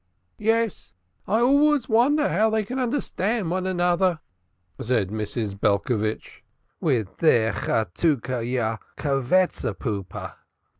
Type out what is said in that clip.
"Yes, I always wonder how they can understand one another," said Mrs. Belcovitch, "with their chatuchayacatigewesepoopa."